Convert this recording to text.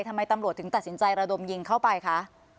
ทำไมตำรวจถึงตัดสินใจระดมยิงเข้าไปคะ